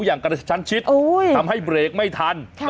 อย่างกระชั้นชิดทำให้เบรกไม่ทัน